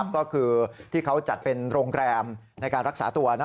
ก็คือที่เขาจัดเป็นโรงแรมในการรักษาตัว